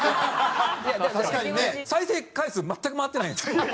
確かにね。再生回数全く回ってないんです。